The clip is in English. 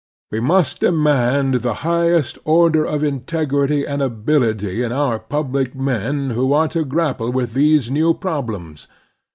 We must demand the highest order of integrity and ability in our public men who are to grapple with these new problems.